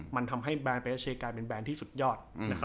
มันทำให้แบรนด์ไปเอสเชกลายเป็นแบรนด์ที่สุดยอด